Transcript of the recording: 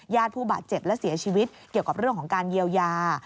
ผู้บาดเจ็บและเสียชีวิตเกี่ยวกับเรื่องของการเยียวยา